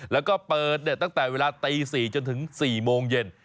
แล้วก็เปิดตั้งแต่เวลาตี๔จนถึง๔โมงเย็น